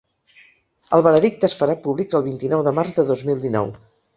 El veredicte es farà públic el vint-i-nou de març de dos mil dinou.